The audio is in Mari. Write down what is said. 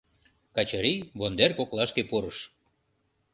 Качырий вондер коклашке пурыш.